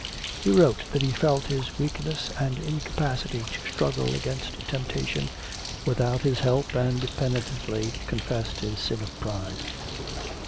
He wrote that he felt his weakness and incapacity to struggle against temptation without his help and penitently confessed his sin of pride.